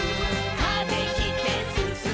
「風切ってすすもう」